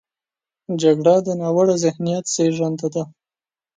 جګړه د ناوړه ذهنیت زیږنده ده